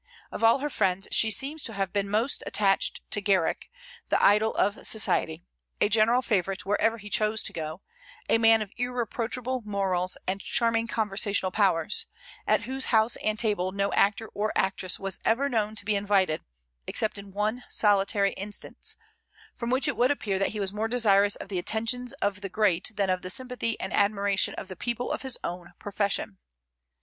Of all her friends, she seems to have been most attached to Garrick, the idol of society, a general favorite wherever he chose to go, a man of irreproachable morals and charming conversational powers; at whose house and table no actor or actress was ever known to be invited, except in one solitary instance; from which it would appear that he was more desirous of the attentions of the great than of the sympathy and admiration of the people of his own profession.